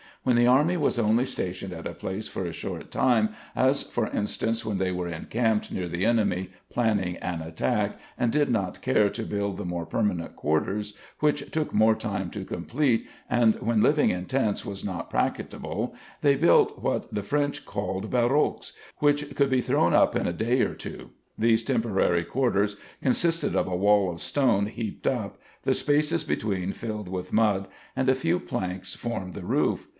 When the army was only stationed at a place for a short time as for instance when they were encamped near the enemy planning an attack and did not care to build the more permanent quarters, which took more time to complete, and when living in tents was not practicable, they built what the French called baroques, which could be thrown up in a day or two. These temporary quarters consisted of a wall of stone heaped up, the spaces between filled with mud, and a few planks formed the roof.